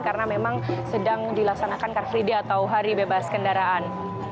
karena memang sedang dilaksanakan car free day atau hari bebas kendaraan